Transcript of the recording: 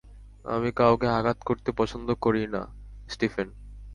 আমি কাউকে আঘাত করতে পছন্দ করি না, স্টিফেন।